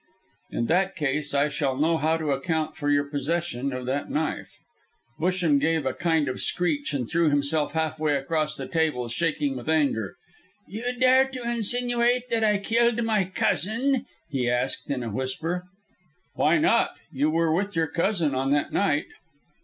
"In that case, I shall know how to account for your possession of that knife." Busham gave a kind of screech, and threw himself halfway across the table, shaking with anger. "You dare to insinuate that I killed my cousin?" he asked, in a whisper. "Why not; you were with your cousin on that night."